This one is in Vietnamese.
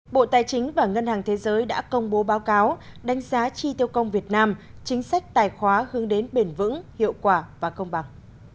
bộ tài chính và ngân hàng thế giới đã công bố báo cáo đánh giá chi tiêu công việt nam chính sách tài khoá hướng đến bền vững hiệu quả và công bằng